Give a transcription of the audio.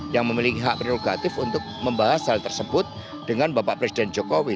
yang memiliki hak prerogatif untuk membahas hal tersebut dengan bapak presiden jokowi